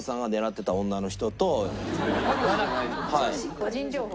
個人情報。